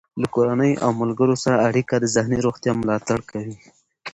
له کورنۍ او ملګرو سره اړیکه د ذهني روغتیا ملاتړ کوي.